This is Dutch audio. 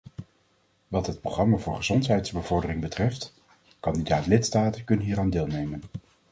Wat het programma voor gezondheidsbevordering betreft: kandidaat-lidstaten kunnen hieraan deelnemen.